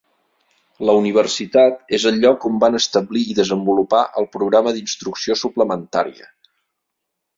La universitat és el lloc on van establir i desenvolupar el programa d'instrucció suplementària.